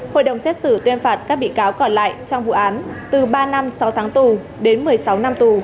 hội đồng xét xử tuyên phạt các bị cáo còn lại trong vụ án từ ba năm sáu tháng tù đến một mươi sáu năm tù